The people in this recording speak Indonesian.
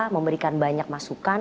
memberikan banyak masukan